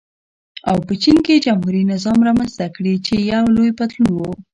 او په چین کې جمهوري نظام رامنځته کړي چې یو لوی بدلون و.